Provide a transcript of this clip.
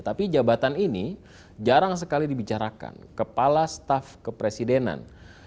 tapi jabatan ini jarang sekali dibicarakan kepala staff kepresidenan